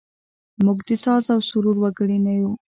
موږ د ساز او سرور وګړي نه یوو.